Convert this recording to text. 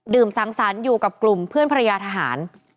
สังสรรค์อยู่กับกลุ่มเพื่อนภรรยาทหาร